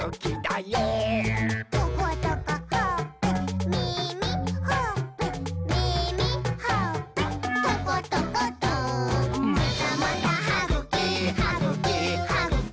「トコトコほっぺ」「みみ」「ほっぺ」「みみ」「ほっぺ」「トコトコト」「またまたはぐき！はぐき！はぐき！